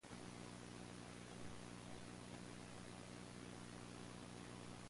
Bramshill forms part of the district of Hart.